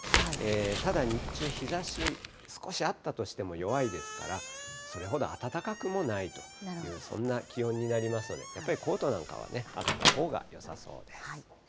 ただ日中、日ざし、少しあったとしても弱いですから、それほど暖かくもないという、そんな気温になりますので、やっぱりコートなんかはあったほうがよさそうです。